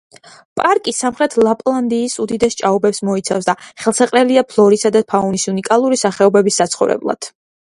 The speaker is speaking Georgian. პარკი სამხრეთ ლაპლანდიის უდიდეს ჭაობებს მოიცავს და ხელსაყრელია ფლორისა და ფაუნის უნიკალური სახეობების საცხოვრებლად.